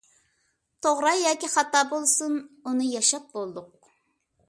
توغرا ياكى خاتا بولسۇن، ئۇنى ياشاپ بولدۇق.